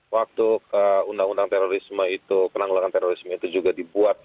waktu undang undang terorisme itu penanggulangan terorisme itu juga dibuat